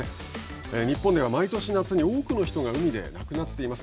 日本では毎年夏に多くの人が海で亡くなっています。